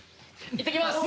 いってきます！